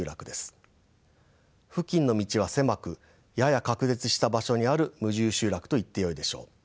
付近の道は狭くやや隔絶した場所にある無住集落といってよいでしょう。